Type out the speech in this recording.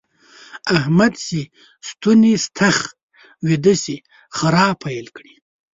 احمد چې ستونی ستخ ويده شي؛ خرا پيل کړي.